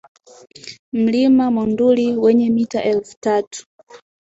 Mlima Monduli wenye mita elfu tatu